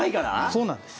そうなんです。